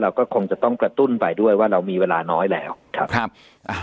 เราก็คงจะต้องกระตุ้นไปด้วยว่าเรามีเวลาน้อยแล้วครับครับอ่า